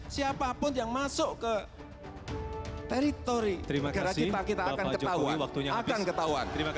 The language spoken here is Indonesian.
siapapun yang masuk ke teritori negara kita kita akan ketahuan